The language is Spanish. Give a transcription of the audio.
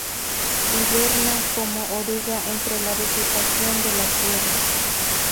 Hiberna como oruga entre la vegetación de la tierra.